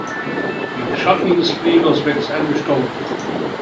Im Schatten des Flieders wächst eine Staude.